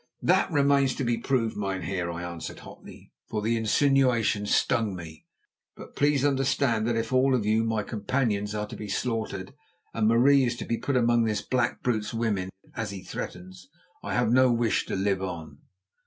"That remains to be proved, mynheer," I answered hotly, for the insinuation stung me. "But please understand that if all of you, my companions, are to be slaughtered, and Marie is to be put among this black brute's women, as he threatens, I have no wish to live on."